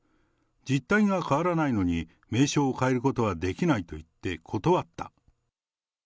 実体が変わらないのに、名称を変えることはできないと言って、断った。